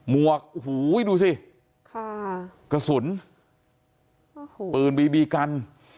มวกโอ้โหดูสิกระสุนปืนบีบีกัน